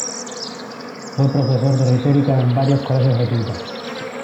Fue profesor de retórica en varios colegios jesuitas.